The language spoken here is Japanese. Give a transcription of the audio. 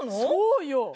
そうよ。